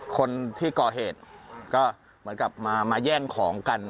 คนที่ก่อเหตุก็เหมือนกับมาแย่งของกัน